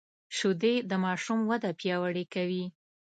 شیدې د ماشوم وده پیاوړې کوي